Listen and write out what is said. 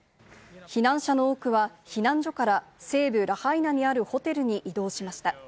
避難者の多くは、避難所から西部ラハイナにあるホテルに移動しました。